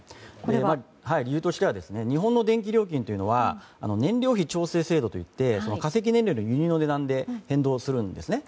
理由としては日本の電気料金は燃料費調整制度といって化石燃料の輸入の値段で変動するんですね。